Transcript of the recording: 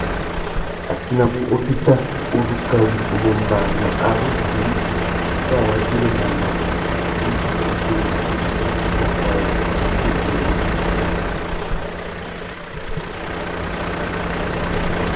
A tinamú otéta uzu kawi u mù ombāna a ru djï kā wa güirimana wussi indi obéna ukú u zu kā zu fiti u mù ombāna.